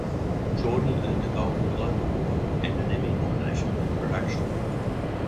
Jordan earned a Golden Globe award, and an Emmy nomination for the production.